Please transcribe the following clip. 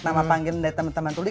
nama panggilan dari teman teman tuli